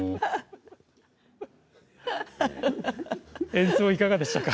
演奏いかがでしたか？